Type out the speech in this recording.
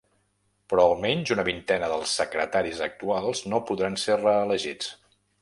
Però almenys una vintena dels secretaris actuals no podran ser reelegits.